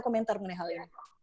komentar mengenai hal ini